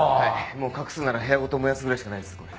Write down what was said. もう隠すなら部屋ごと燃やすぐらいしかないですこれ。